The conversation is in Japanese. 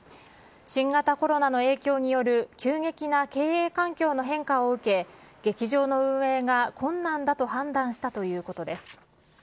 新型コロナの影響による急激な経営環境の変化を受け、劇場の運営が困難だと判断したということです。